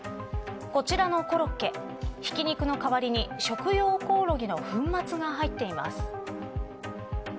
こちらのコロッケひき肉の代わりに食用コオロギの粉末が入っています。